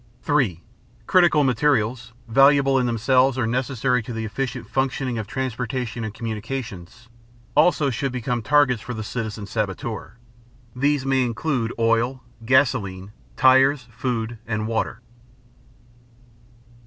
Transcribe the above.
(3) Critical materials, valuable in themselves or necessary to the efficient functioning of transportation and communication, also should become targets for the citizen saboteur. These may include oil, gasoline, tires, food, and water.